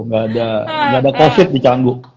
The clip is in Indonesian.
ga ada covid di canggu